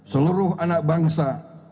seluruh anak bangsa